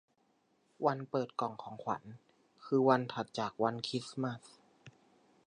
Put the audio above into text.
วันเปิดกล่องของขวัญคือวันถัดจากวันคริสต์มาส